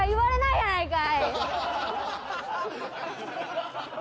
やないかい！